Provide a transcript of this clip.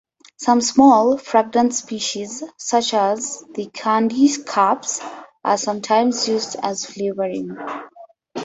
Some small, fragrant species, such as the "candy caps", are sometimes used as flavoring.